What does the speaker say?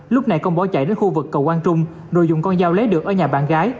lúc này công bỏ chạy đến khu vực cầu quang trung rồi dùng con dao lấy được ở nhà bạn gái